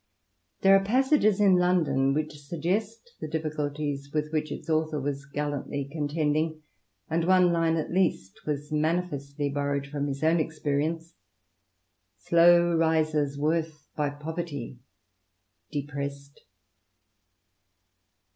There are passages in " London " which suggest the difficulties with which its author was gallantly contending, and one line at least was manifestly borrowed from his own experience :—« Slow rises worth by poverty depressed."